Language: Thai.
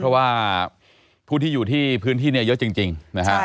เพราะว่าผู้ที่อยู่ที่พื้นที่เนี่ยเยอะจริงนะฮะ